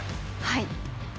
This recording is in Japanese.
はい。